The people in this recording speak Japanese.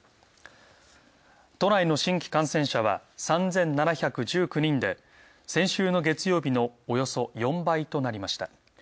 都内の新規感染者は３７１９人で先週の月曜日のおよそ４倍となりました。